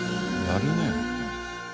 やるね。